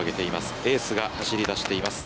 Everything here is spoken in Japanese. エースが走りだしています。